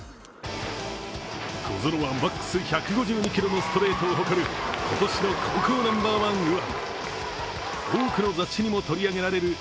小園はマックス１５２キロのストレートを誇る今年の高校ナンバーワン右腕。